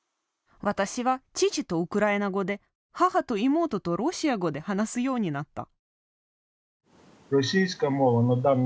私は父とウクライナ語で母と妹とロシア語で話すようになった。